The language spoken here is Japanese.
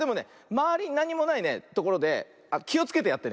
まわりになんにもないねところできをつけてやってね。